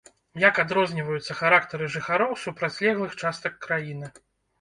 Як адрозніваюцца характары жыхароў супрацьлеглых частак краіны?